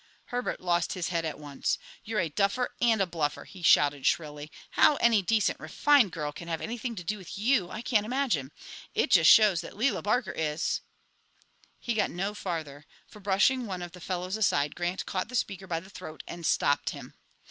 Herbert lost his head at once. "You're a duffer and a bluffer!" he shouted shrilly. "How any decent, refined girl can have anything to do with you I can't imagine. It just shows that Lela Barker is " He got no further, for, brushing one of the fellows aside, Grant caught the speaker by the throat and stopped him.